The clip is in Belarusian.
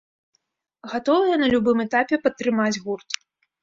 Гатовыя на любым этапе падтрымаць гурт.